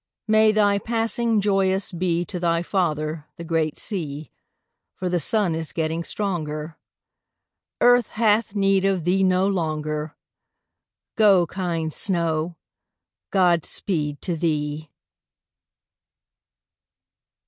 May thy passing joyous be To thy father, the great sea, For the sun is getting stronger; Earth hath need of thee no longer; Go, kind snow, God speed to thee!